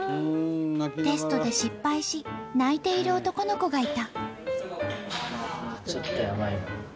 テストで失敗し泣いている男の子がいた。